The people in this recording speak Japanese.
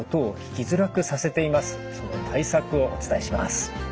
その対策をお伝えします。